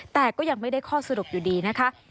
แต่ก็ยังไม่ได้ข้อสรุปอยู่ดีนะคะ